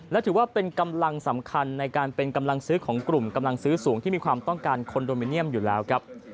และถือว่าเป็นกำลังสำคัญในการเป็นกำลังซื้อของกลุ่มกำลังซื้อสูงที่มีความต้องการคอนโดมิเนียมอยู่แล้วครับ